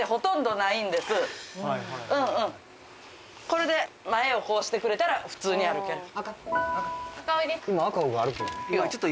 これで前をこうしてくれたら普通に歩ける。